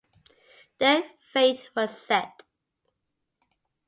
Their fate was set.